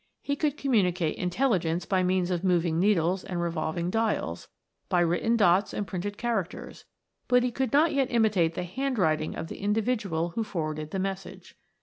He could communicate intelligence by means of moving needles and revolving dials, by written dots and printed characters, but he could not yet imitate the handwriting of the individual who forwarded the message.